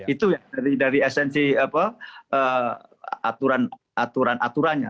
itu dari esensi aturan aturannya